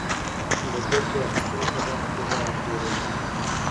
د ګټې اخیستنې په برخه کې واک ډېروي.